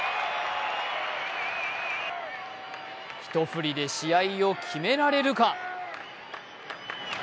一振りで試合を決められるか？